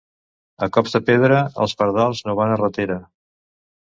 A cops de pedra, els pardals no van a ratera.